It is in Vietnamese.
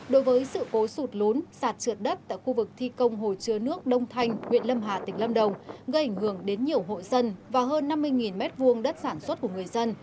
đối với sự cố sụt lún sạt trượt đất tại khu vực thi công hồ chứa nước đông thanh huyện lâm hà tỉnh lâm đồng gây ảnh hưởng đến nhiều hộ dân và hơn năm mươi m hai đất sản xuất của người dân